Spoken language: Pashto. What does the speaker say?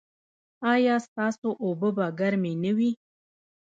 ایا ستاسو اوبه به ګرمې نه وي؟